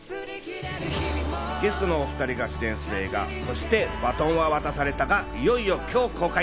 ゲストのお２人が出演する映画『そして、バトンは渡された』がいよいよ今日公開。